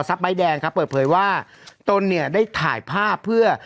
ใบแดงครับเปิดเผยว่าตนเนี่ยได้ถ่ายภาพเพื่อ